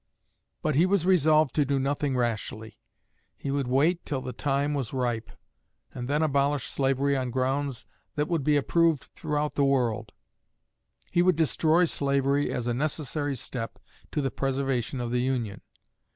But he was resolved to do nothing rashly. He would wait till the time was ripe, and then abolish slavery on grounds that would be approved throughout the world: he would destroy slavery as a necessary step to the preservation of the Union.